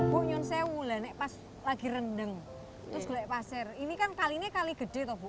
bu nyonsew lah pas lagi rendeng terus golek pasir ini kan kali ini kali gede tuh bu